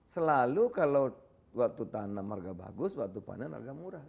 selalu kalau waktu tanam harga bagus waktu panen harga murah